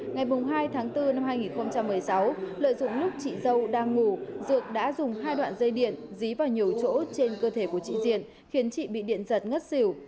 ngày hai tháng bốn năm hai nghìn một mươi sáu lợi dụng lúc chị dâu đang ngủ dược đã dùng hai đoạn dây điện dí vào nhiều chỗ trên cơ thể của chị diện khiến chị bị điện giật ngất xỉu